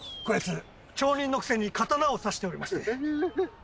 こやつ町人のくせに刀を差しておりまして。